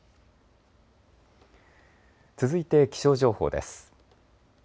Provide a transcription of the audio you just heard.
続いて気象情報です。